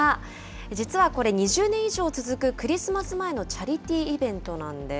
実はこれ、２０年以上続くクリスマス前のチャリティーイベントなんです。